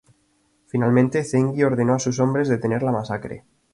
Finalmente, Zengi ordenó a sus hombres detener la masacre.